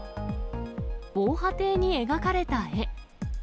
防波堤に描かれた絵。